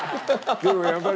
でもやっぱり。